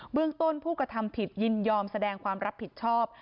เรื่องต้นผู้กระทำผิดยินยอมแสดงความรับผิดชอบ